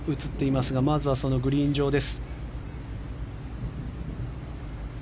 まずはグリーン上です。